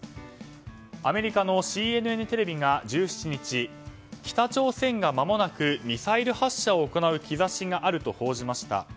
アメリカのＣＮＮテレビが１７日北朝鮮がまもなくミサイル発射を行う兆しがあると報じました。